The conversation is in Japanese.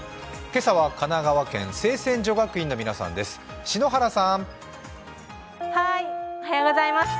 今朝は神奈川県清泉女学院の皆さんです。